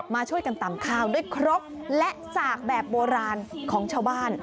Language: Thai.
มาช่วยกันตำข้าวด้วยครกและสากแบบโบราณของชาวบ้าน